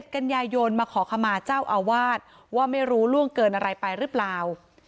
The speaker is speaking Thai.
กันยายนมาขอขมาเจ้าอาวาสว่าไม่รู้ล่วงเกินอะไรไปหรือเปล่า